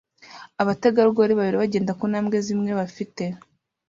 abategarugori babiri bagenda kuntambwe zimwe bafite